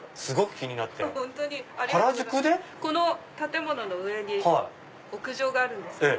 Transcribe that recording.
この建物の上に屋上があるんです。